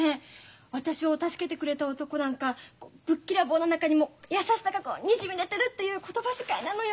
私を助けてくれた男なんかぶっきらぼうの中にも優しさがこうにじみ出てるっていう言葉遣いなのよ！